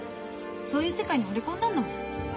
そういう世界にほれ込んだんだもん。